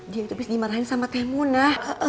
dia itu abis dimarahin sama temuna